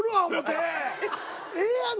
ええやん